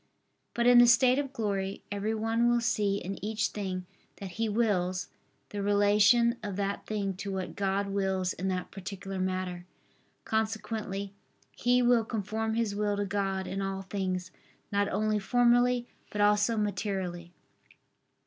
But in the state of glory, every one will see in each thing that he wills, the relation of that thing to what God wills in that particular matter. Consequently he will conform his will to God in all things not only formally, but also materially.